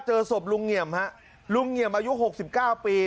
เจอศพลุงเหงี่ยมฮะลุงเหงี่ยมอายุ๖๙ปี